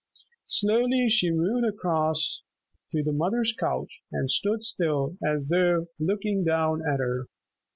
Slowly she moved across to the mother's couch and stood still as though looking down at her.